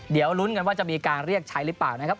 เดี๋ยวลุ้นกันว่าจะมีการเรียกใช้หรือเปล่านะครับ